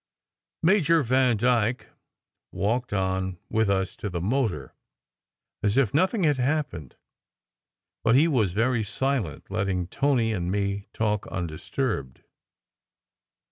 SECRET HISTORY 105 Major Vandyke walked on with us to the motor, as if nothing had happened, but he was very silent, letting Tony and me talk undisturbed.